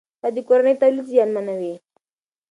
دا د کورني تولید زیانمنوي.